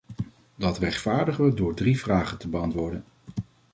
Dat rechtvaardigen we door drie vragen te beantwoorden.